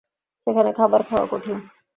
সেখানে খাবার খাওয়া কঠিন।